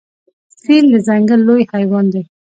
فیل د ځنګل لوی حیوان دی.